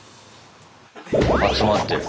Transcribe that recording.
集まってる。